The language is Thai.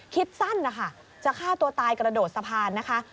คิดสั้นนะคะจะฆ่าตัวตายกระโดดสะพานนะคะ